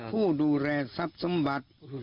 ผู้ดูแลทรัพย์สมบัติ